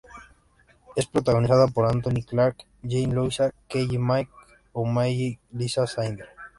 Es protagonizada por Anthony Clark, Jean Louisa Kelly, Mike O'Malley, y Liza Snyder.